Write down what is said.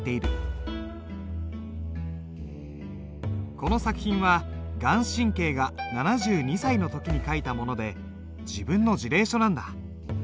この作品は顔真が７２歳の時に書いたもので自分の辞令書なんだ。